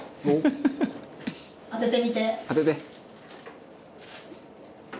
「当てて！」